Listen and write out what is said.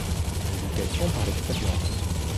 Une éducation par l'expérience.